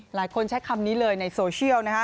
หลายคนใช้คำนี้เลยในโซเชียลนะคะ